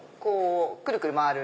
くるくる回る。